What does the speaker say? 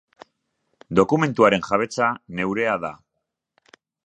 Dokumentuaren jabetza neurea da.